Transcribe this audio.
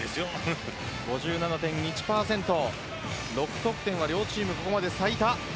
６得点は両チームここまで最多。